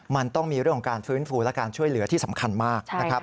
มันต้องมีเรื่องของการฟื้นฟูและการช่วยเหลือที่สำคัญมากนะครับ